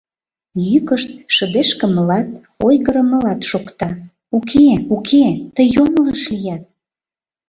Йӱкышт шыдешкымылат, ойгырымылат шокта: «Уке, уке, тый йоҥылыш лият!..»